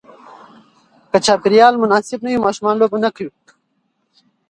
که چاپېریال مناسب نه وي، ماشومان لوبې نه کوي.